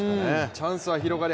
チャンスは広がり